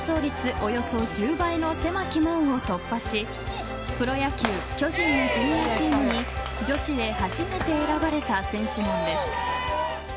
およそ１０倍の狭き門を突破しプロ野球巨人のジュニアチームに女子で初めて選ばれた選手なんです。